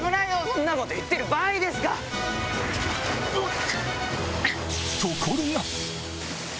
そんなこと言ってる場合ですか⁉うおっ！